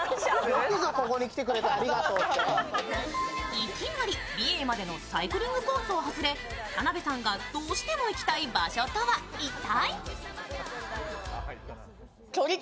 いきなり美瑛までのサイクリングコースを外れ田辺さんがどうしても行きたい場所とは一体？